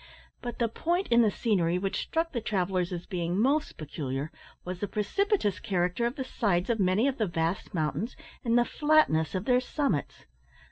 But the point in the scenery which struck the travellers as being most peculiar was the precipitous character of the sides of many of the vast mountains and the flatness of their summits.